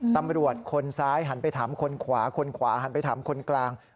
ตำรวจคนซ้ายหันไปถามคนขวาคนขวาหันไปถามคนกลาง